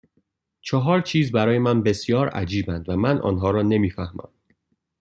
چهار چیز برای من بسیار عجیبند و من آنها را نمیفهمم